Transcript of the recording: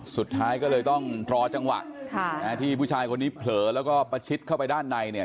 สุดท้ายก็เลยต้องรอจังหวะที่ผู้ชายคนนี้เผลอแล้วก็ประชิดเข้าไปด้านในเนี่ย